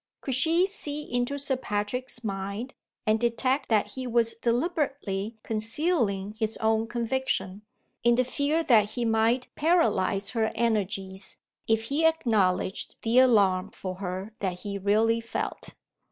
Could she see into Sir Patrick's mind and detect that he was deliberately concealing his own conviction, in the fear that he might paralyze her energies if he acknowledged the alarm for her that he really felt?